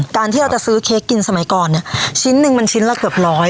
การที่เราจะซื้อเค้กกินสมัยก่อนเนี่ยชิ้นหนึ่งมันชิ้นละเกือบร้อย